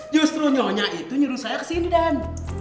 justru nyonya itu nyuruh saya ke sini den